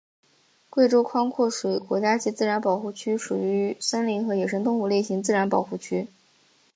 贵州宽阔水国家级自然保护区属于森林和野生动物类型自然保护区。